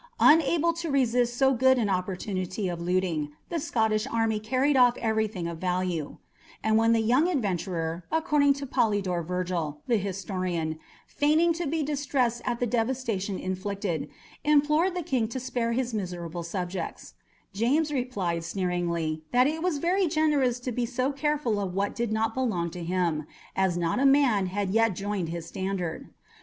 Unable to resist so good an opportunity of looting, the Scottish army carried off everything of value; and when the young adventurer, according to Polydore Vergil, the historian, "feigning" to be distressed at the devastation inflicted, implored the King to spare his miserable subjects, James replied, sneeringly, that it was very generous to be so careful of what did not belong to him, as not a man had yet joined his standard.